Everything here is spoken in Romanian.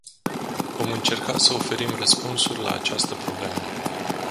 Vom încerca să oferim răspunsuri la această problemă.